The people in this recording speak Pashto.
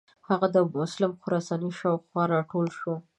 هغه د ابومسلم خراساني شاو خوا را ټول شو.